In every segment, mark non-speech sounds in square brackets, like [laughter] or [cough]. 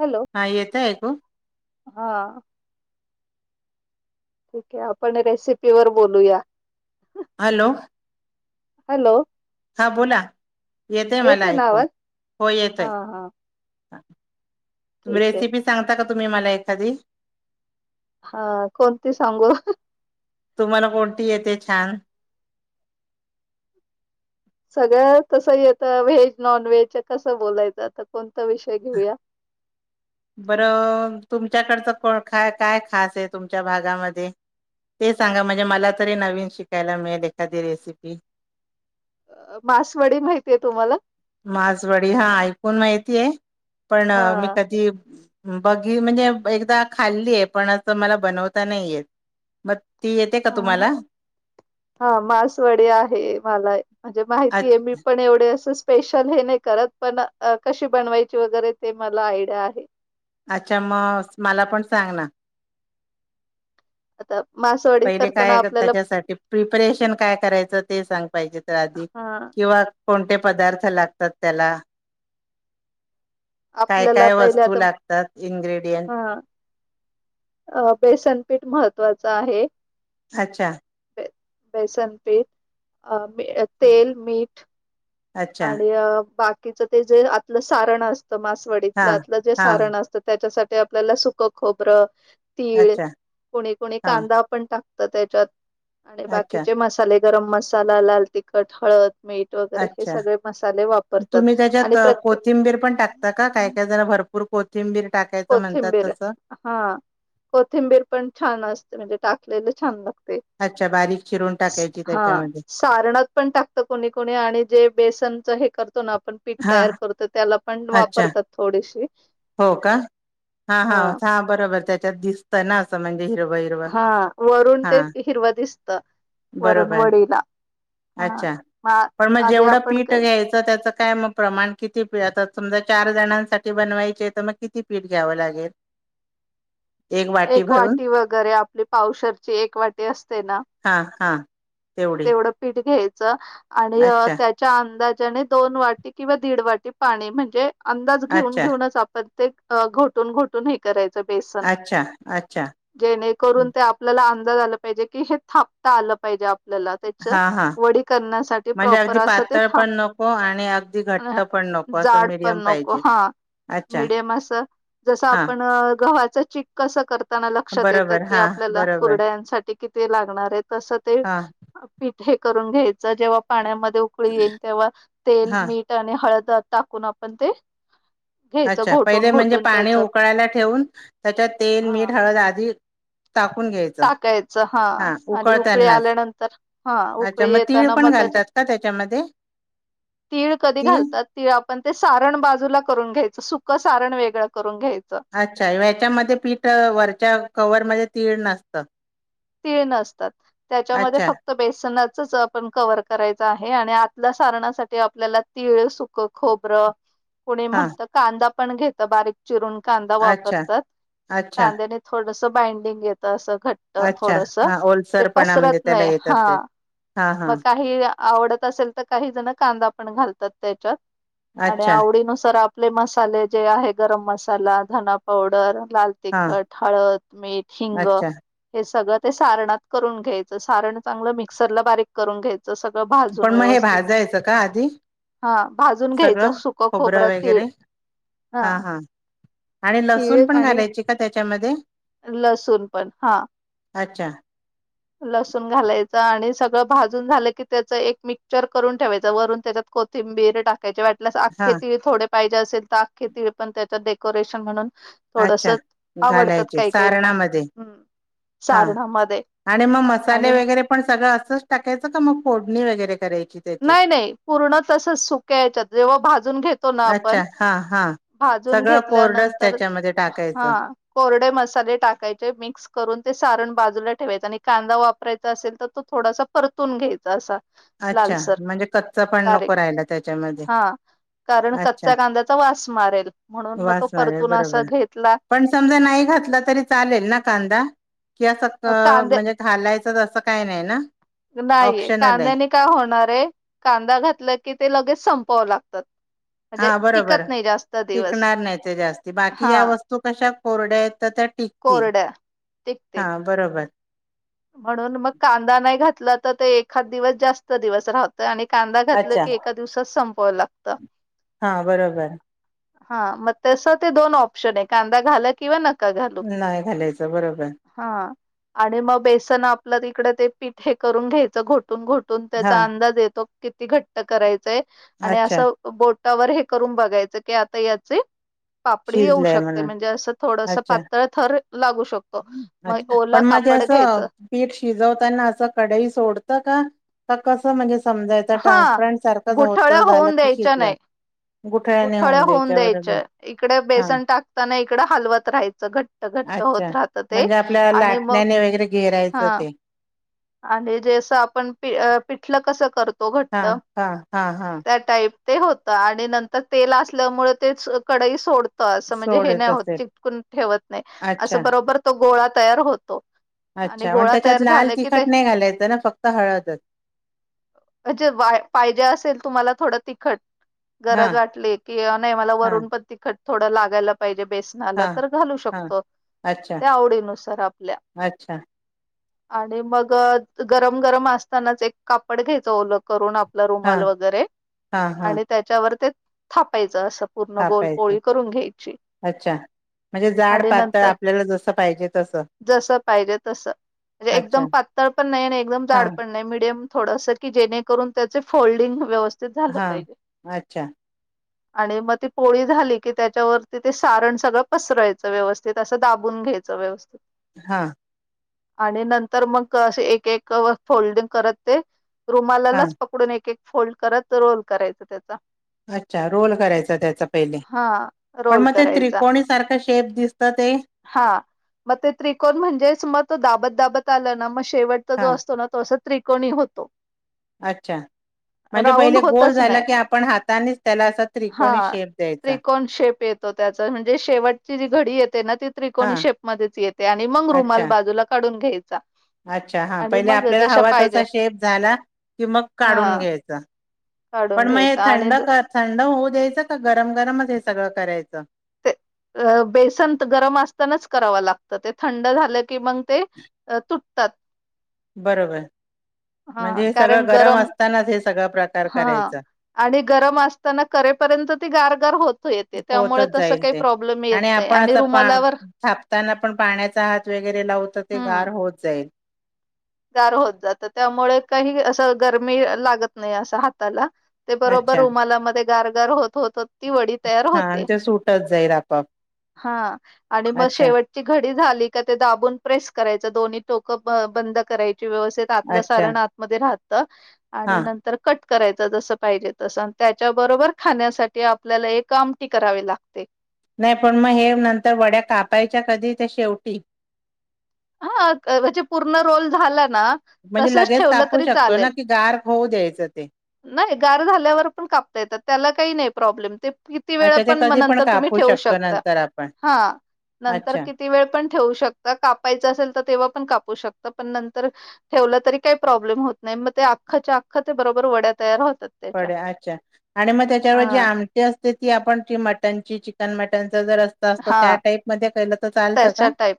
Hello हा येत ऐको हा ठीक आहे आपण रेसिपी वर बोलूया हॅलो हॅलो हां बोला येतेय मला येतोय ना ऐकू आवाज हो हा येतोय. हा [inaudible] तुम्ही ठीक आहे रेसिपी सांगता का? तुम्ही मला एखादी हा कोणती सांगू तुम्हाला कोणती येते छान? सगळ्या तस येतं व्हेज नॉन व्हेज कसं बोलायचं आता कोण त विषय घेऊया? बरं तुमच्याकडचं कोण काय काय खास आहे तुमच्या भागामध्ये ते सांगा म्हणजे मला तरी नवीन शिकायला मिळेल एखादी रेसिपी. मासवाडी माहितीय तुम्हाला? माजवडी हां ऐकून माहितीये. पण हा मी कधी बघी म्हणजे एकदा खाल्ली आहे पण असं मला बनवता नाही येत मग ती येते का हां तुम्हाला हां मासवडी आहे मला म्हणजे अ माहितीय मी पण एवढे अस स्पेशल हे नाही करत पण कशी बनवायची वगैरे ते मला आयडिया आहे. अच्छा मग मला पण सांग ना. आता मासवडी पहिले करताना काय आपल्याला त्याच्यासाठी प्रिपरेशन काय करायचं ते सांग पाहिजे तर आधी हा किंवा कोणते पदार्थ लागतात त्याला काय आपल्याला काय पहिले वस्तू आता लागतात इन्ग्रेडियंट अं बेसनपीठ महत्त्वाच आहे. अच्छा बेसन पीठ अ तेल मीठ अच्छा आणि बाकीच ते जे आतलं सारण अस त हा मासवडीतलं आतलं जे हा सारण असतं त्याच्यासाठी ते आपल्याला सुख खोबरं तीळ अच्छा कोणी कोणी हा कांदा आपण टाक तर त्याच्यात आणि अच्छा बाकीचे मसाले गरम मसाला, लाल तिखट, हळद. मीठ वगैरे हे च्छा सगळे मसाले म वापरतात तुम्ही आणि त्याच्यात प्रत्ये कोथिंबीर पण टाकता का काय काय जण भरपूर कोथिंबीर टाकायचं म्हणतात कोथिंबीर तसं हा कोथिंबीर पण छान असते. म्हणजे ताक तेन छान लागतंय...... अच्छा बारीक चिरून टाकायची हा त्याच्यामध्ये सारनात पण टाकतो कोणी कोणी आणि जे बेसनच हे करतो आपण पीठ हा तयार करतो त्याला पण अच्छा वापरतात थोडीशी हाहा हा हां बरं. म त्याच्यात दिसत ना अस हा वरून ते हिरव दिसत. वरुून बरोबर वडीला हा अच्छा म पण मग आधी जेवढं आपण पीठ का घ्यायचं त्याचं काय मग प्रमाण किती घ्यायच असत. समजा चार जणांसाठी बनवायचे तर मग किती पीठ घ्यावं लागेल. एक वाटी वगैरे आपली पावशरची एक वाटी असते ना हां हां तेवढी तेवढं पीठ घ्यायच. [unintelligible] आणि अ अच्छा त्याच्या अंदाज त्याने दोन वाटी किंवा दीड वाटी पाणी म्हणजे अंदाज घेऊन अच्छा घेऊनच आपण ते अ घोटून घोटून हे करायचं. बेसन..... अच्छा अच्छा जेणेकरून ते आपल्याला काय झालं पाहिजे की हे थापता आलं पाहिजे आप आपल्याल त्याच हां हां वडी करण्यासाठी म्हणजे प्रॉपर अगदी अस ते पातळ पण नको आणि अगदी घट्ट थापता..... पण नको असं जाड पण मीडियम नको पाहिजे हा अच्छा मिडीयम अस जस हां आपण अ गव्हाच. त्याची कस करता तान लक्षात येतं बरोबर की हां आपल्याला बरोबर कुरड्यांसाठी किती लागणार आहे तसं ते हां पिठे करून घ्यायचं. जेव्हा पाण्यामध्ये ते उकळी येईल तेव्हा तेल, हां मीठ आणि हळद. टाकून आपण ते. घ्यायचं अच्छा घोटून पहिले म्हणजे घोटून पाणी त्याच उकळायला ठेवून त्याच्यात तेल, हा मीठ, हळद आधी. टाकून घ्यायचं टाकायचं हा हां आणि उकळी उकळतानाच आल्यानंतर हा अच्छा उकळी तीळ येताना मग पण त्याच्या घालतात का त्याच्यामध्ये तीळ कधी घालतात तिळ आपण ते सारण बाजूला करून घ्याय सुख सारण वेगळं करून घ्यायच. अच्छा ह्याच्यामध्ये पीठ वरच्या कवरमध्ये तीळ नसतात. तीळ नसतात त्याच्यामध्ये अच्छा फक्त बेसनच. तस आपण कव्हर करायचं आहे. आणि आतल्या सारणासाठी आपल्याला तीळ, सुक खोबरं. कुणी हां म्हणत कांदा. पण घेतो बारीक चिरून. कांदा अच्छा वापरतात अच्छा कांद्याने थोडस. बाइंडिंग घेत सगळ अच्छा थोडस हां ते ओलसरपणा पसरत म्हणजे त्याला नाही येत हा असेल हां हां मग काही आवडत असेल तर काही जण कांदा पण घालतात. त्याच्यात आणि अच्छा आवडी नुसार आपले मसाले जे आहे गरम मसाला, धना पावडर, लाल हां तिखट, हळद, मीठ, हिंग. अच्छा सगळ ते सारणात करून घ्यायचं सारण चांगलं मिक्सर ला बारीक करून घ्यायच. सगळं भाजून पण मग हे व्यवस्थित भाजायचं का आधी हा भाजून घ्यायचं सगळं सुक खोबरं तीळ वगैरे हा हां हां आणि तीळ लसूण पण आणि घालायची का त्याच्यामध्ये लसूण पण हा अच्छा लसूण घालायचं आणि सगळं भाजून झालं की त्याच एक मिक्सचर करून ठेवायचं वरून त्याच्यात कोथिंबीर टाक च्या वाटल्यास आखे हां तीळ थोडे पाहिजे असेल त अक्के तीळ पण त्याच्या डेकोरेशन म्हणून थोडस अच्छा आवडतात घालायचे काही काहीना सारणामध्ये हम् हां सारणामध्ये मग मसाले आणि वैगेरे पण सगळं असंच टाकायचं काय. फोडणी वगरे कराय नाही नाही पूर्ण तस सुक्याच्यात जेव्हा भाजून घेतो ना आपण अच्छा हा हा भाजून सगळं कोरडंच घेतल्यानंतर त्याच्यामध्ये हा टाकायचं कोरडे मसाले टाकायचे मिक्स करून ते सारण बाजूला ठेवायचा आणि कांदा वापरायचा असेल तर तो थोडासा परतून घ्यायचा असा. अच्छा लालसर म्हणजे कच्च पण बारीक नको राहिला त्याच्यामध्ये हा कारण अच्छा कच्चा कांद्याचा वास मारेल म्हणून मग तो वास मारेल परतून असा बरोबर घेतला पण समजा नाही घातला तरी चालेल ना कांदा किंवा कांदे म्हणजे घालायचंच असत. असं काही नाही ना नाहीये ऑप्शनल आहे कांद्याने काय होणारे कांदा घातला की ते लगेच संपावं लागतात म्हणजे हा बरोबर टिकत नाही जास्त दिवस टिकणार नाही ते जास्ती बाकी हा या वस्तू कशा कोरडे्यात तर त्या टिकतील कोरड्या टिकतील हा बरोबर म्हणून मग कांदा नाही घातला ते एखाद दिवस जास्त दिवस राहत आणि कांदा घातलं अच्छा की एका दिवसात संपवावं लागत हा बरोबर हा मग तस ते दोन ऑप्शन आहे कांदा घाला किंवा नाही नाही घालायचं बरोबर हा आणि मग बसणं आपलं तिकड पिट हे करून घ्यायचं घोटून घोटून तून हा त्याचा अंदाज येतो. किती घट्ट कराय आणि अच्छा असं बोट टावर हे करून बघायचं की आता याचे पापडी येऊ शिजलंय शकते म्हणून म्हणजे असं थोडसं अच्छा पातळ थर लागू शक तो मग अच्छा ओला पण म्हणजे कापड घ्यायचं असं पीठ शिजवताना असं कडई सोडतं का का कसं म्हणजे? समजायचं हा ट्रान्स्परंट सारखं झा गुठळ्या होतं झालं होऊन की द्यायच्या शिजलं. नाही गुठळ्याने गुठळ्या होऊन द्यायच्या बरोबर द्यायचे इकडे हा बेसन टाकताना इकड हलवत राहायचं घट्ट घट्ट होत अच्छा. राहतात. म्हणजे आपल्या लाटण्याने वगैरे घेरायचं हा ते आणि रेस आपण प अ पिठलं कसं कर तो हा घट्ट हा हा हा. त्या टाईप. ते होत आणि नंतर तेल असल्यामुळे ते कडाई सोड त अस म्हणजे हे सोडत नाही असेल चिटकून ठेवत नाही अस अच्छा. बरोबर तो गोळा तयार होतो आणि अच्छा मग गोळा त्याच्यात तयार लाल झालं ते तिखट नाही घालायचं ना फक्त हळदच ह्याच्यात तुम्हाला थोडं तिखट हा गरज वाटली की नाही मला हा वरून पण तिखट थोडं लागायला पाहिजे. बेसनाला हा. तर घालू हा शकतो अच्छा त्या आवडीनुसार आपल्या अच्छा आणि मग गरम गरम असतानाच एक कापड घ्यायचं ओल करून आप ल हा रुमाल वगैरे हा हा आणि त्याच्यावर ते थापायचं. अस पूर्ण गोल थापायचं पोळी करून घ्यायची अच्छा. म्हणजे जाड आणि पातळ नंतर आपल्याला जसं पाहिजे तसं जस पाहिजे तस म्हणजे एक अच्छा दम पातळ पण नाही आणि एकदम जाड हां पण नाही मिडियम. थोडसं की जेणेकरून त्याचे फोल्डिंग व्यवस्थ हां अच्छा. आणि मग ती पोळी झाली की त्याच्यावरती ते सारण सगळं पसरायचं व्यवस्थित असं दाबून घ्यायचं व्यवस्थित. हां. आणि नं तर मग अस एक एक फोल्डिंग करत ते हां रुमालालच पकडून एक एक फोल्ड करत तर रोल करायच त्याचा. अच्छा रोल करायचा त्यांचा पहिले हा पण रोल मग ते करायचा त्रिकोणी सारखं शेप दिसत ते. हा. मग ते त्रिकोण म्हणजे मग तो दाबत दाबत आलं ना [unintelligible] शेवट जो हां असतो ना तो असं. त्रिकोणी होतो. अच्छा म्हणजे राऊंड पहिले गोल होतच झाला नाही की आपण हातानेच त्याला असा त्रिकोणी हा शेप द्यायचा त्रिकोण शेप येतो त्याचा म्हणजे शेवटची जी घडी येते ना ती त्रिकोणी हां शेप मध्येच येते आणि मग रुमाल अच्छा बाजूला काढून घ्यायच [unintelligible] अच्छा हा पहिले आपल्याला हवा पाहिजे तसा शेप झाला कि मग काढून हा घ्यायच काढून पण मग हे घ्यायचा आणि थंड ज- थंड हो द्यायच का गरम गरमच हे सगळं करायचं? अं बेसन गरम असतानाच कराव लागतं ते थंड झालं. कि मग ते तु तात. बरोबर हा म्हणजे हे कारण सगळं गरम असतानाच हे सगळा प्रकार हा करायचा आणि गरम असताना करेपर्यंत ती गारगार होत. येते त्यामुळे होतच तसं जाईल काही ते प्रॉब्लेम येत आणि नाही आपण असं रुमालावर थापताना पण पाण्याचा हात वगैरे लावतो तर ते हम्म गार होत जाईल. [unintelligible] गार होत जात त्यामुळे काही असं गरमी लागत नाही असं हाताला. ते बरोबर अच्छा रुमाला मध्ये गारगार होत होत ती वडी तर हा होते आणि ते सुटत जाईल आपोआप हां आणि मग अच्छा शेवटची घ ते झाले का ते दाबून प्रेस करायचं दोन्ही टोक बंद कराय ची व्यवस्थित आतलं अच्छा सारण आतमध्ये राहात. हा आणि नंतर कट करायच जस पाहिजे तसं त्याच्याबरोबर खाण्यासाठी आपल्याला एक आमटी करावी लागते. नाही पण मग हे नंतर वड्या कापायच्या कधी त्या शेवटी? हा म्हणजे पूर्ण रोल झाल ना म्हणजे तसच लगेच ठेवलं कापू तरी शकतो ना चालेल, की गार होऊ द्यायचं ते नाही गार झाल्यावर पण कापता येतात त्याला काही नाही प्रॉब्लेम ते किती वेळ अच्छा ते पण कधी नंतर तुम्ही कापू ठेवू शकतो शकता नंतर आपण हा नंतर अच्छा किती वेळ पण ठेवू शकता का ल तेव्हा पण कापू शकता पण नंतर ठेवल तरी काही प्रोब्लेम होत नाही मग अखच्या अख्खा ते बरोबर वड्या तयार होत वड्या अच्छा आणि मग त्याच्यावर जी हा आमटी असते ती आपण मटण चिकन मटन हा चालतं त्याच्या का? टाईप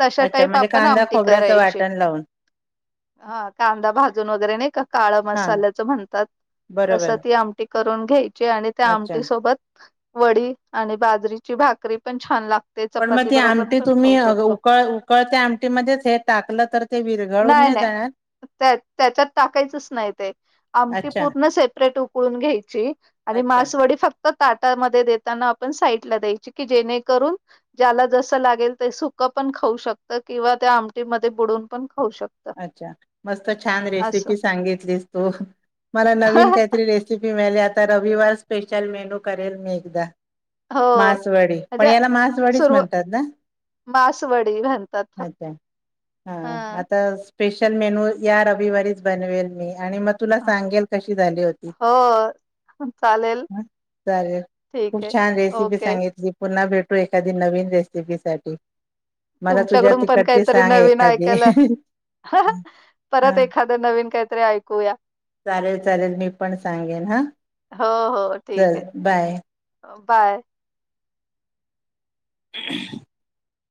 तश्या अच्छा टाईप म्हणजे आपण कांदा आमटी खोबऱ्याचं करायची, वाटण लावून हा कांदा भाजून वगैरे नाही का काळ हा मसाल्याचं म्हणतात! तस बरोबर ती आमटी करून घ्या यची, आणि त्या अच्छा आमटी सोबत वडी आणि बाजरी ची भाकरी पण छान लाग गते, पण मग चपाती ती बरोबर आमटी पण तुम्ही खाऊ अ, शकतो, उकळ उकळत्या आमटीमध्येच हे टाकलं तर ते विरघळून नई नाही नाय जाणार त्याच्यात टाकायचंच नाही आमटी अच्छा पूर्ण सेप्रेटच उखलून घ्यायची आणि अच्छा मासवडी फक्त ताटामध्येध्ये देताना आपण साईट ला द्या की जेणेकरून ज्याला जस लागेल ते सुकं पण खाऊ शकत किंवा त्या आमटीमध्ये बुडून पण खाऊ शकतं. अच्छा मस्त छान असं रेसिपी सांगितलीस तू मला नवीन काहीतरी रेसिपी मिळाली आता रविवार स्पेशल मेनू करेल मी एकदा! हो मासवडी म्हणजे पण याला मासवडीच सुरव म्हणतात ना? मासवडी म्हणतात फक्त अच्छा ह हा. स्पेशल मेनू या रविवारीच बनवेल मी, आणि मग तुला सांगेल कशी झाली होती. हो चालेल चालेल खूप ठीक आहे छान रेसिपी ओके सांगितली पुन्हा भेट एखादी नवीन रेसिपी साठी? मला तुझ्या तुमच्याकडून पण तिकडची काहीतरी सांग नवीन एखादी? ऐकायला हा परत एखाद नवीन काहीतरी ऐकूया, चालेल चालेल मी पण सांगेन हा हो हो चल ठीक आहे. Bye bye. [inaudible]